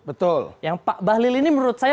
betul yang pak bahlil ini menurut saya